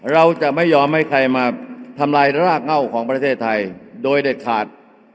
เราจะไม่ยอมให้ใครมาทำลายรากเง่าของประเทศไทยโดยเด็ดขาด